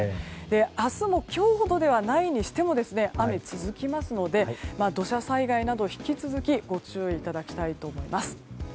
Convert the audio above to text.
明日も今日ほどではないにしても雨が続きますので土砂災害などに引き続きご注意いただきたいと思います。